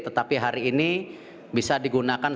tetapi hari ini bisa digunakan